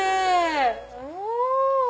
お！